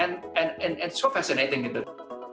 dan itu sangat menarik